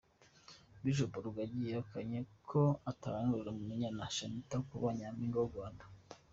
Bishop Rugagi yahakanye ko atahanuriye Umunyana Shanitah kuba Nyampinga w’u Rwanda.